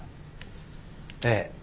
ええ。